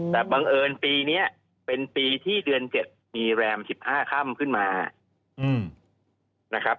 แต่บังเอิญปีนี้เป็นปีที่เดือน๗มีแรม๑๕ค่ำขึ้นมานะครับ